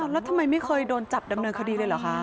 แล้วทำไมไม่เคยโดนจับดำเนินคดีเลยเหรอคะ